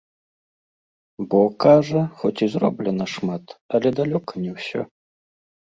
Бо, кажа, хоць і зроблена шмат, але далёка не ўсё.